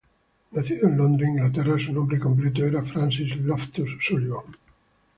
Nacido en Londres, Inglaterra, su nombre completo era Francis Loftus Sullivan.